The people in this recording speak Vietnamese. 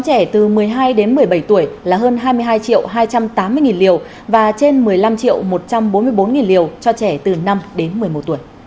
trẻ từ một mươi hai đến một mươi bảy tuổi là hơn hai mươi hai hai trăm tám mươi liều và trên một mươi năm một trăm bốn mươi bốn liều cho trẻ từ năm đến một mươi một tuổi